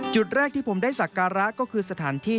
จุดแรกที่ผมได้สักการะก็คือสถานที่